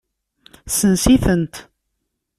Sens-itent.